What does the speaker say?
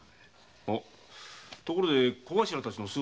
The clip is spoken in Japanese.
ところで小頭たちの姿が見えんが？